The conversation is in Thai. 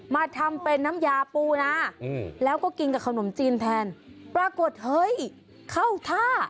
มาทำเป็นน้ำยาปูนาแล้วก็กินกับขนมจีนแทนปรากฏเฮ้ยเข้าท่า